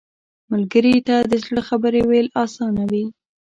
ملګری ته د زړه خبرې ویل اسانه وي